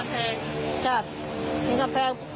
ปังแฟ